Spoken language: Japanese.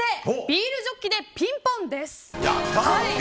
ビールジョッキｄｅピンポンです。